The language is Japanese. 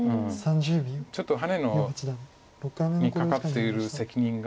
ちょっとハネにかかっている責任が。